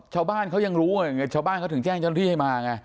ชาวบ้านเขายังรู้ไงชาวบ้านเขาถึงแจ้งเจ้าหน้าที่ให้มาไง